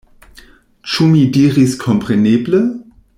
Ĉu mi diris kompreneble?